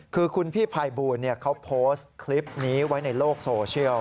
คือคุณพี่ภัยบูลเขาโพสต์คลิปนี้ไว้ในโลกโซเชียล